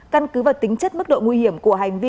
căn cứ và tính chất mức độ nguy hiểm của hành vi